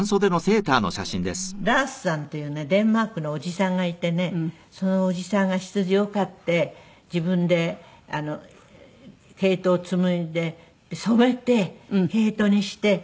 ラースさんっていうねデンマークのおじさんがいてねそのおじさんが羊を飼って自分で毛糸を紡いで染めて毛糸にして。